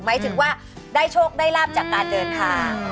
หมายถึงว่าได้โชคได้ลาบจากการเดินทาง